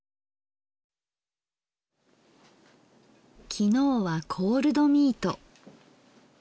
昨日はコールドミート。